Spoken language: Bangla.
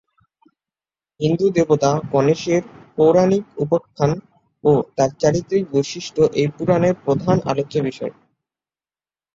হিন্দু দেবতা গণেশের পৌরাণিক উপাখ্যান ও তাঁর চারিত্রিক বৈশিষ্ট্য এই পুরাণের প্রধান আলোচ্য বিষয়।